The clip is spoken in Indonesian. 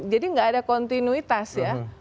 jadi nggak ada kontinuitas ya